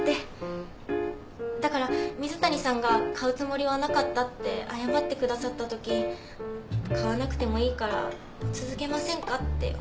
だから水谷さんが買うつもりはなかったって謝ってくださったとき「買わなくてもいいから続けませんか？」ってお願いしたんです。